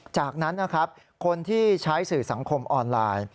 จากนั้นนะครับคนที่ใช้สื่อสังคมออนไลน์